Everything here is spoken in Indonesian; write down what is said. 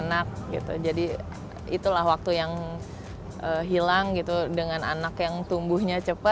saling tergantung satu sama lain ya